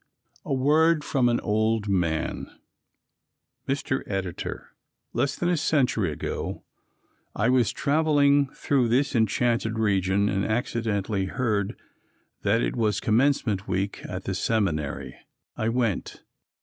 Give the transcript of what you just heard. A WORD FROM AN OLD MAN "Mr. Editor: "Less than a century ago I was traveling through this enchanted region and accidentally heard that it was commencement week at the seminary. I went.